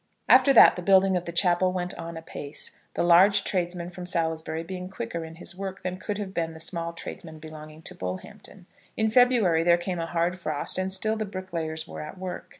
After that the building of the chapel went on apace, the large tradesman from Salisbury being quicker in his work than could have been the small tradesman belonging to Bullhampton. In February there came a hard frost, and still the bricklayers were at work.